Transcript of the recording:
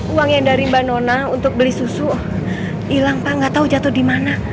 uang yang dari mbak nona untuk beli susu hilang pak nggak tahu jatuh di mana